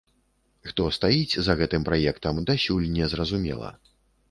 Хто стаіць за гэтым праектам, дасюль не зразумела.